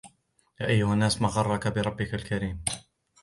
يَا أَيُّهَا الْإِنْسَانُ مَا غَرَّكَ بِرَبِّكَ الْكَرِيمِ